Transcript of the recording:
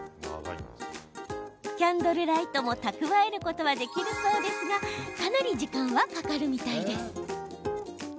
キャンドルライトも蓄えることはできるそうですがかなり時間はかかるみたいです。